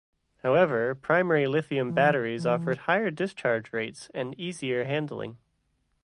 However, primary lithium batteries offered higher discharge rates and easier handling.